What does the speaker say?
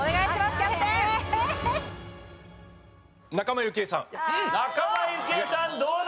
仲間由紀恵さんどうだ？